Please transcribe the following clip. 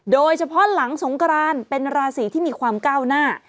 โดยเฉพาะหลังสงกรานเป็นราศีที่มีความก้าวหน้า